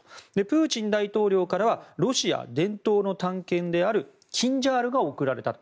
プーチン大統領からはロシア伝統の短剣であるキンジャールが贈られたと。